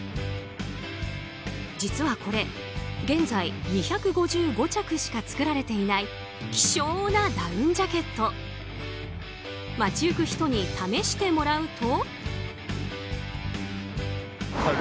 実は、これ現在２５５着しか作られていない希少なダウンジャケット。街行く人に試してもらうと。